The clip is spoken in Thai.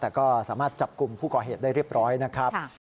แต่ก็สามารถจับกลุ่มผู้ก่อเหตุได้เรียบร้อยนะครับ